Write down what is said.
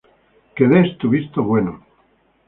des tu visto bueno